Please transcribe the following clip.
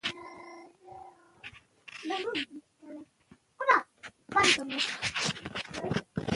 غازي محمد ايوب د افغان تاريخ يوه برخه ده